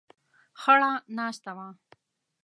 خړه ناسته وه.